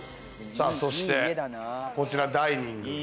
そして、こちらダイニング。